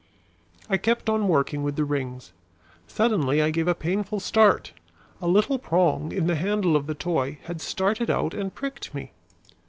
I kept on working with the rings. Suddenly I gave a painful start. A little prong in the handle of the toy had started out and pricked me.